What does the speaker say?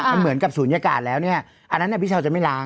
มันเหมือนกับศูนยากาศแล้วเนี่ยอันนั้นพี่เช้าจะไม่ล้าง